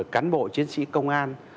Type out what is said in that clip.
cán bộ chiến sĩ công an